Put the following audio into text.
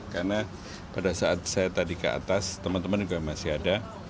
karena pada saat saya tadi ke atas teman teman juga masih ada